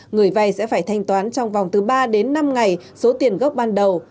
người vay sẽ phải thanh toán trong vòng từ ba đến năm ngày số tiền gốc ban đầu